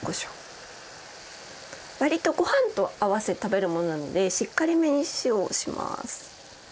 わりとご飯と合わせて食べるものなのでしっかりめに塩をします。